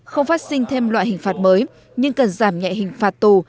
không phát sinh thêm loại hình phạt mới nhưng cần giảm nhẹ hình phạt tù